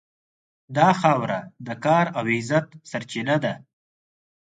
دا خاوره د کار او عزت سرچینه ده.